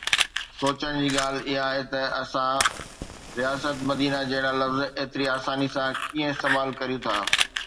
سوچڻ جي ڳالهه اها آهي ته اسان رياست مديني جهڙا لفظ ايتري آساني سان ڪيئن استعمال ڪريون ٿا.